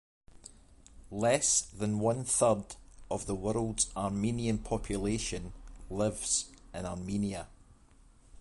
Less than one third of the world's Armenian population lives in Armenia.